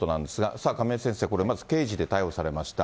さあ、亀井先生、これ、まず刑事で逮捕されました。